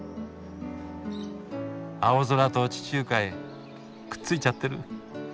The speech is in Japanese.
青空と地中海くっついちゃってる。